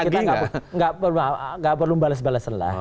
kita gak perlu bales balesan lah